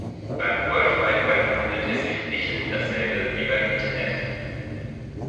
Beim World Wide Web handelt es sich nicht um dasselbe wie beim Internet.